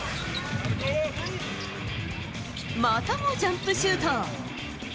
またもジャンプシュート。